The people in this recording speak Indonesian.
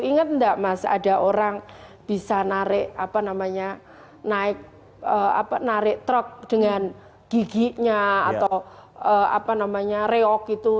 ingat nggak mas ada orang bisa narik apa namanya narik truk dengan giginya atau apa namanya reok gitu